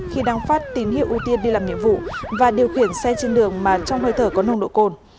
khi đang phát tín hiệu ưu tiên đi làm nhiệm vụ và điều khiển xe trên đường mà trong hơi thở có nồng độ cồn